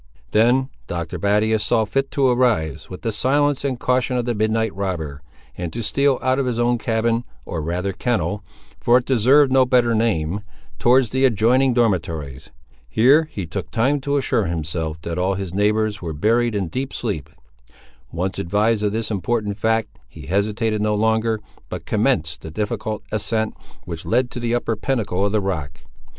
Then Dr. Battius saw fit to arise, with the silence and caution of the midnight robber, and to steal out of his own cabin, or rather kennel, for it deserved no better name, towards the adjoining dormitories. Here he took time to assure himself that all his neighbours were buried in deep sleep. Once advised of this important fact, he hesitated no longer, but commenced the difficult ascent which led to the upper pinnacle of the rock.